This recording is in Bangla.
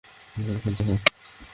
কিভাবে খেলতে হয়!